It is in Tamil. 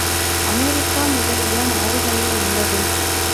அமெரிக்கா முதலிய நாடுகளிலுள்ளது.